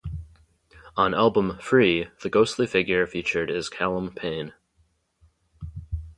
On album "Free" the ghostly figure featured is Callum Payne.